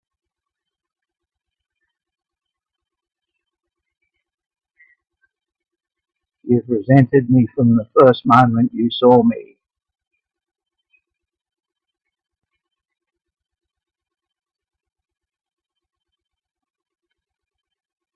You've resented me from the first moment you saw me!